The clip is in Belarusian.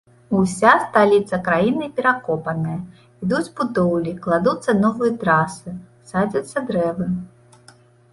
Уся сталіца краіны перакопаная, ідуць будоўлі, кладуцца новыя трасы, садзяцца дрэвы.